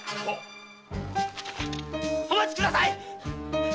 お待ちくださいっ‼